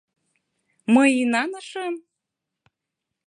— Мый инанышым.